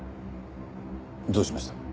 どうしました？